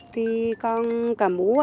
thì còn cá mũ